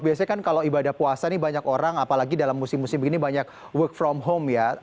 biasanya kan kalau ibadah puasa nih banyak orang apalagi dalam musim musim begini banyak work from home ya